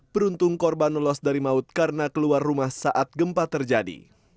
beruntung korban lolos dari maut karena keluar rumah saat gempa terjadi